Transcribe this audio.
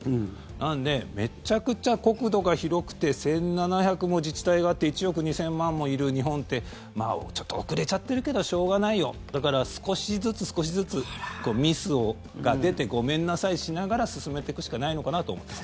なのでめちゃくちゃ国土が広くて１７００も自治体があって１億２０００万もいる日本ってちょっと遅れちゃってるけどしょうがないよだから、少しずつ少しずつミスが出てごめんなさいしながら進めていくしかないのかなと思います。